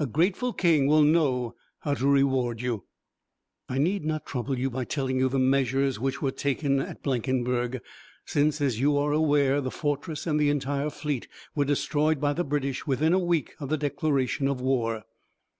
A grateful King will know how to reward you." I need not trouble you by telling you the measures which were taken at Blankenberg, since, as you are aware, the fortress and the entire fleet were destroyed by the British within a week of the declaration of war.